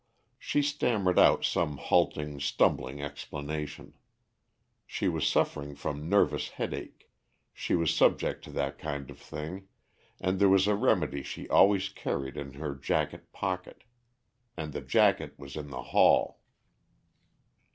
She stammered out some halting, stumbling explanation. She was suffering from nervous headache, she was subject to that kind of thing, and there was a remedy she always carried in her jacket pocket. And the jacket was in the hall.